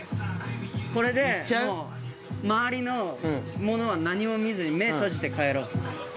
これで回りのものは何も見ずに目閉じて帰ろう。